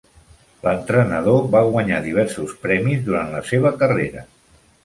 L'entrenador va guanyar diversos premis durant la seva carrera.